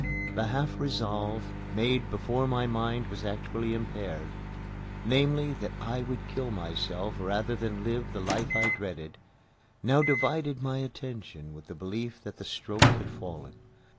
The half resolve, made before my mind was actually impaired, namely, that I would kill myself rather than live the life I dreaded, now divided my attention with the belief that the stroke had fallen.